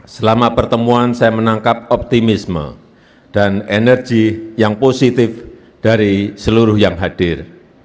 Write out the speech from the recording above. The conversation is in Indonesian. selama pertemuan saya menangkap optimisme dan energi yang positif dari seluruh yang hadir